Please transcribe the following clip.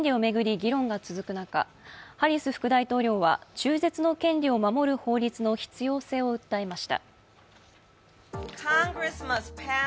議論が続く中、ハリス副大統領は、中絶の権利を守る法律の必要性を訴えました。